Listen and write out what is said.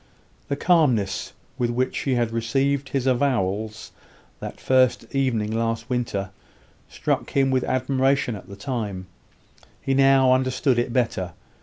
The calmness with which she had received his avowals that first evening last winter, struck him with admiration at the time: he now understood it better.